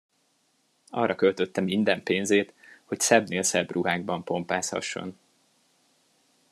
Arra költötte minden pénzét, hogy szebbnél szebb ruhákban pompázhasson.